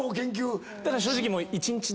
だから正直。